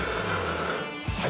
はい。